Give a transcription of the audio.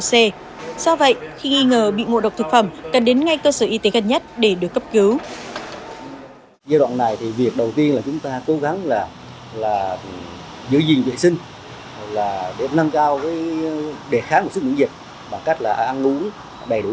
c do vậy khi nghi ngờ bị ngộ độc thực phẩm cần đến ngay cơ sở y tế gần nhất để được cấp cứu